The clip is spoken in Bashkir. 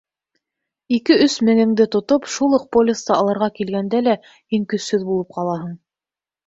Ике-өс меңеңде тотоп, шул уҡ полисты алырға килгәндә лә һин көсһөҙ булып ҡалаһың.